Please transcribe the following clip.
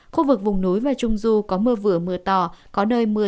khu vực vùng núi và trung du có mưa vừa mưa to